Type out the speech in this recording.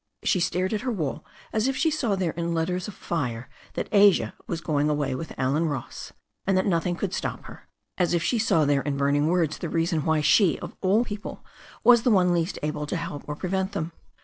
She stared at her wall as if she saw there in letters of fire that Asia was going away with Allen Ross, and that nothing could stop her, as if she saw there in burning words the reason why she, of all people, was the one least able to help or prevent them.